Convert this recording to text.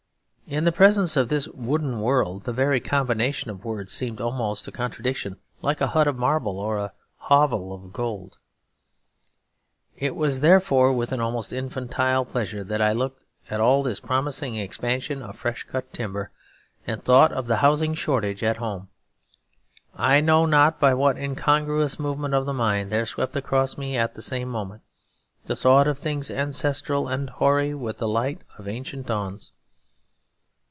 In the presence of this wooden world the very combination of words seems almost a contradiction, like a hut of marble, or a hovel of gold. It was therefore with an almost infantile pleasure that I looked at all this promising expansion of fresh cut timber and thought of the housing shortage at home. I know not by what incongruous movement of the mind there swept across me, at the same moment, the thought of things ancestral and hoary with the light of ancient dawns.